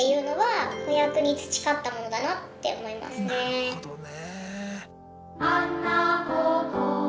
なるほどね。